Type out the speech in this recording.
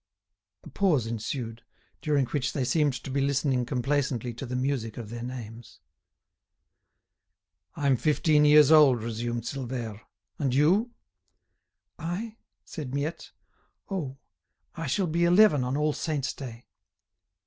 A pause ensued, during which they seemed to be listening complacently to the music of their names. "I'm fifteen years old," resumed Silvère. "And you?" "I!" said Miette; "oh, I shall be eleven on All Saints' Day."